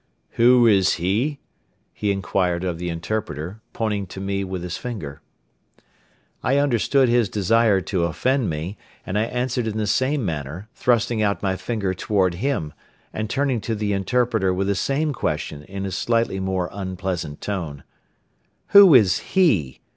"Who is he?" he inquired of the interpreter, pointing to me with his finger. I understood his desire to offend me and I answered in the same manner, thrusting out my finger toward him and turning to the interpreter with the same question in a slightly more unpleasant tone: "Who is he?